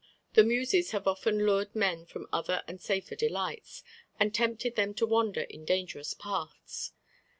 The Muses have often lured men from other and safer delights, and tempted them to wander in dangerous paths.